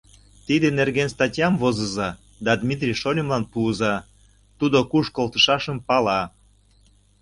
Тидын нерген статьям возыза да Дмитрий шольымлан пуыза: тудо куш колтышашым пала.